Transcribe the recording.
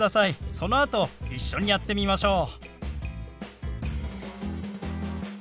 そのあと一緒にやってみましょう。